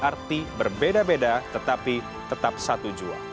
arti berbeda beda tetapi tetap satu jua